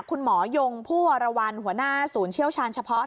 คุณหมอยงผู้วรวรรณหัวหน้าศูนย์เชี่ยวชาญเฉพาะ